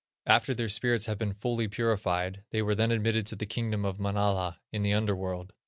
After their spirits had been fully purified, they were then admitted to the Kingdom of Manala in the under world.